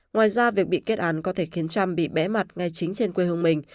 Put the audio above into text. ngoài ra việc bị kết án có thể khiến trump bị bẽ mặt ngay chính trên quê hương mình